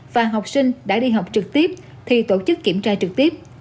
và học sinh đã đi học trực tiếp thì tổ chức kiểm tra trực tiếp